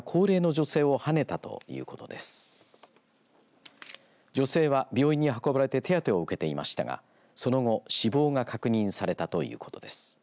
女性は病院に運ばれて手当てを受けていましたがその後、死亡が確認されたということです。